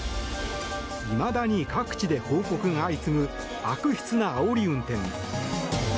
いまだに各地で報告が相次ぐ悪質なあおり運転。